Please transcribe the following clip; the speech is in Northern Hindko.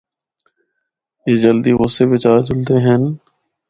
اے جلدی غصے بچ آ جلدے ہن۔